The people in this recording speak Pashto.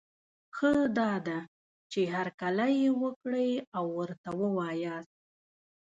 ښه دا ده، چي هرکلی یې وکړی او ورته وواياست